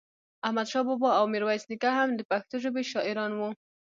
احمد شاه بابا او ميرويس نيکه هم دا پښتو ژبې شاعران وو